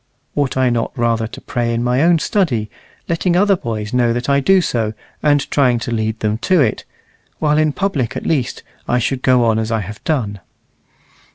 Ought I not rather to pray in my own study, letting other boys know that I do so, and trying to lead them to it, while in public at least I should go on as I have done?"